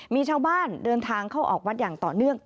มีชาวบ้านเดินทางเข้าออกวัดอย่างต่อเนื่อง